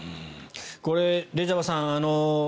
これ、レジャバさん